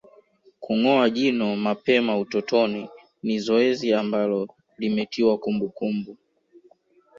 Kungoa jino mapema utotoni ni zoezi ambalo limetiwa kumbukumbu